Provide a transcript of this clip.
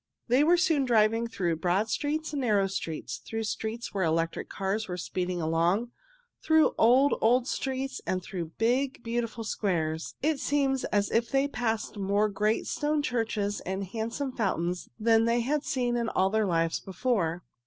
They were soon driving through broad streets and narrow streets, through streets where electric cars were speeding along, through old, old streets, and through big beautiful squares. It seemed as if they passed more great stone churches and handsome fountains than they had seen in all their lives before.